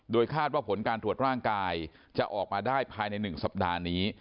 คาดว่าผลการตรวจร่างกายจะออกมาได้ภายใน๑สัปดาห์นี้